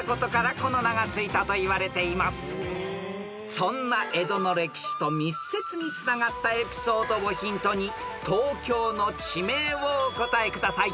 ［そんな江戸の歴史と密接につながったエピソードをヒントに東京の地名をお答えください］